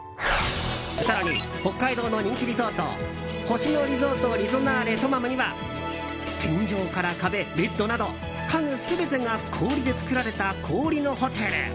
更に北海道の人気リゾート星野リゾートリゾナーレトマムには天井から壁、ベッドなど家具全てが氷で作られた氷のホテル。